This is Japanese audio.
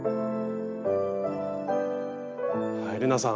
はい玲奈さん。